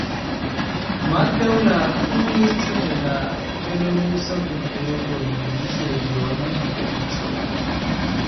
Malgraŭ la unueco de la belorusa kulturo formiĝis regionaj diferencoj.